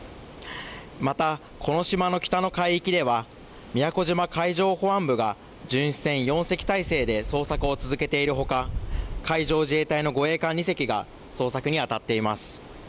また、この島の北の海域では宮古島海上保安部が巡視船４隻態勢で捜索を続けているほか海上自衛隊の護衛艦２隻が捜索に当たっています。